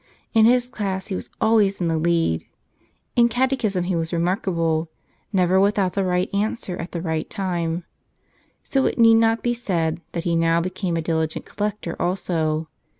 In his class he was always in the lead. In catechism he was remarkable — never without the right answer at the right time. So it need not be said that he now became a diligent collector also.